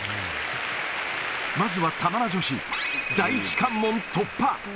まずは玉名女子、第一関門突破。